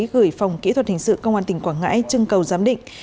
gửi phòng kỹ thuật hình sự công an tỉnh quảng ngãi trưng cầu giám định